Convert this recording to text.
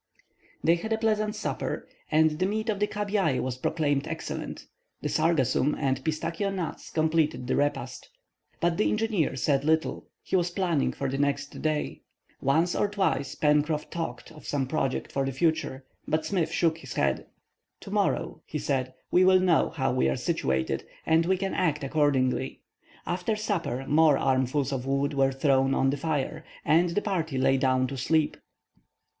They had a pleasant supper, and the meat of the cabiai was proclaimed excellent; the sargassum and pistachio nuts completed the repast. But the engineer said little; he was planning for the next day. Once or twice Pencroff talked of some project for the future, but Smith shook his head. "To morrow," he said, "we will know how we are situated, and we can act accordingly." After supper, more armfuls of wood were thrown on the fire, and the party lay down to sleep.